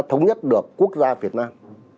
thống nhất được quốc gia việt nam